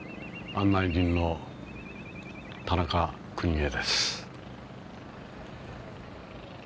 案内人の田中邦衛です。